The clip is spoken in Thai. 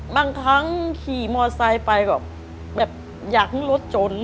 บางครั้งขี่มอไซค์ไปแบบอยากให้รถจน